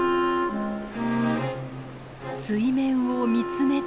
水面を見つめて。